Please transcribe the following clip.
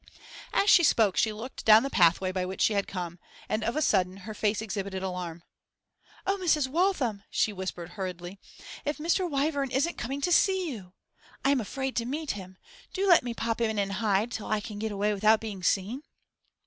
As she spoke she looked down the pathway by which she had come, and of a sudden her face exhibited alarm. 'Oh, Mrs. Waltham!' she whispered hurriedly. 'If Mr. Wyvern isn't coming to see you! I'm afraid to meet him. Do let me pop in and hide till I can get away without being seen.